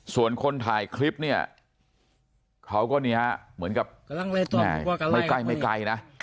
ส่วนคนถ่ายคลิปเนี่ยเขาก็นี่ฮะเหมือนกับไม่ใกล้ไม่ไกลนะ